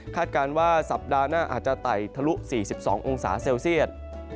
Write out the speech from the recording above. การว่าสัปดาห์หน้าอาจจะไต่ทะลุ๔๒องศาเซลเซียต